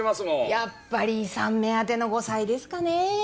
やっぱり遺産目当ての後妻ですかねぇ。